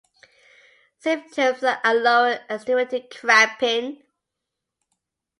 Symptoms are lower extremity cramping.